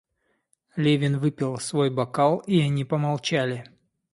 Левин выпил свой бокал, и они помолчали.